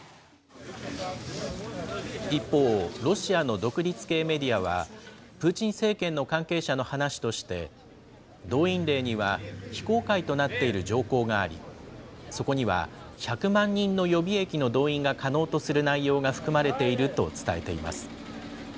一方、ロシアの独立系メディアは、プーチン政権の関係者の話として、動員令には非公開となっている条項があり、そこには１００万人の予備役の動員が可能とする内容が含まれていると伝えています。